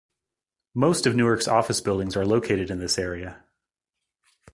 Most of Newark's office buildings are located in this area.